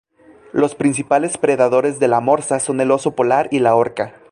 Los principales predadores de la morsa son el oso polar y la orca.